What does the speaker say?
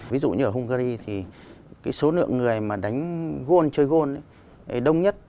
ví dụ như ở hungary thì số nửa người mà đánh gôn chơi gôn đông nhất